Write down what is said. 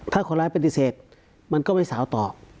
ถ้าคนร้ายปฏิเสธมันก็ไม่สาวต่อ